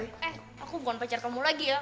eh aku bukan pacar kamu lagi ya